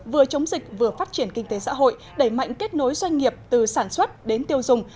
vừa chống dịch vừa phát triển kinh tế xã hội đẩy mạnh kết nối doanh nghiệp từ sản xuất đến tiêu dùng